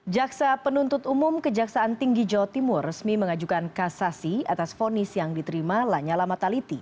jaksa penuntut umum kejaksaan tinggi jawa timur resmi mengajukan kasasi atas fonis yang diterima lanyala mataliti